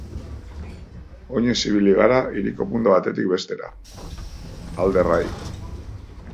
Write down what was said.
Oinez ibili gara hiriko punta batetik bestera, alderrai.